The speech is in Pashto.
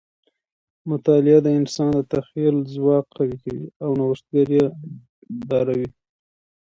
مطالعه د انسان د تخیل ځواک قوي کوي او نوښتګر یې باروي.